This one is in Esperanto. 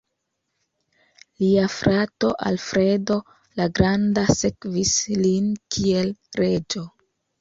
Lia frato Alfredo la Granda sekvis lin kiel reĝo.